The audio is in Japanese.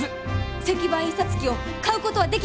石版印刷機を買うことはできませんでしょうか？